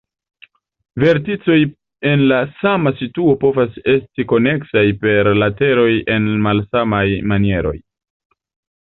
Verticoj en la sama situo povas esti koneksaj per lateroj en malsamaj manieroj.